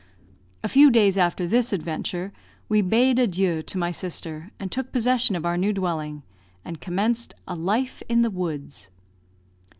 A few days after this adventure, we bade adieu to my sister, and took possession of our new dwelling, and commenced "a life in the woods."